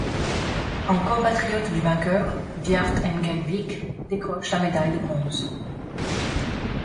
Un compatriote du vainqueur, Bjarte Engen Vik, décroche la médaille de bronze.